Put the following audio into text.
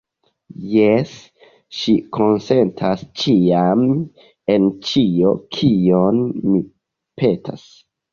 Jes, ŝi konsentas ĉiam en ĉio, kion mi petas.